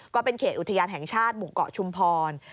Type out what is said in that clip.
ก็เป็นเขตอุทยานแห่งชาติหมู่เกาะชุมพร